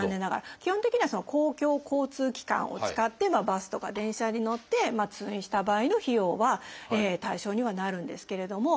基本的には公共交通機関を使ってバスとか電車に乗って通院した場合の費用は対象にはなるんですけれども。